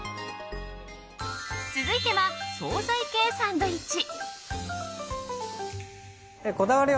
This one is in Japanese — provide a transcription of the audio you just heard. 続いては、総菜系サンドイッチ。